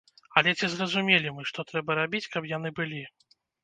Але ці зразумелі мы, што трэба рабіць, каб яны былі?